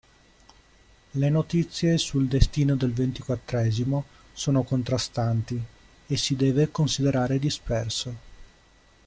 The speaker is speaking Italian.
Le notizie sul destino del ventiquattresimo sono contrastanti e si deve considerare disperso.